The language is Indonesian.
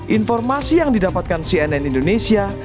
informasi yang didapatkan cnn indonesia